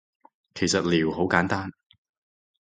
其實撩好簡單